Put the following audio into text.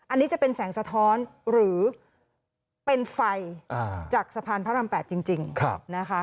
อันนี้จะเป็นแสงสะท้อนหรือเป็นไฟจากสะพานพระราม๘จริงนะคะ